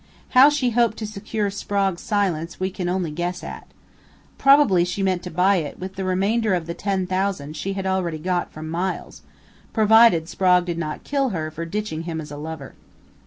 How she hoped to secure Sprague's silence we can only guess at. Probably she meant to buy it with the remainder of the $10,000 she had already got from Miles provided Sprague did not kill her for ditching him as a lover.